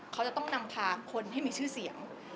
เขาจะต้องนำพาคนให้มีชื่อเสียง